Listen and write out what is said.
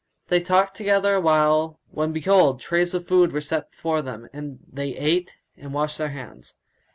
They talked together awhile, when behold, trays of food were set before them, and they ate and washed their hands.